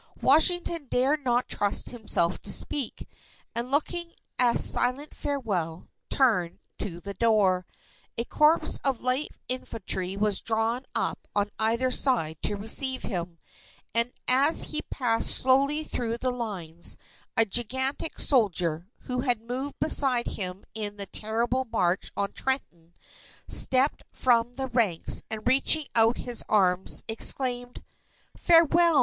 Washington dared not trust himself to speak, and looking a silent farewell, turned to the door. A corps of light infantry was drawn up on either side to receive him, and as he passed slowly through the lines, a gigantic soldier, who had moved beside him in the terrible march on Trenton, stepped from the ranks, and reaching out his arms, exclaimed: "Farewell!